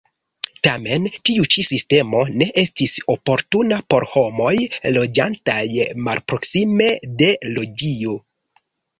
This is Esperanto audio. Tamen tiu ĉi sistemo ne estis oportuna por homoj loĝantaj malproksime de loĝio.